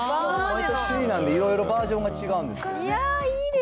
毎年なんで、いろいろバージョンが違うんですね。